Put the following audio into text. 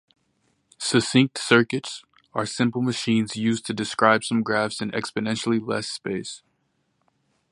Succinct circuits are simple machines used to describe some graphs in exponentially less space.